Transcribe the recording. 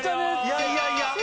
いやいやいや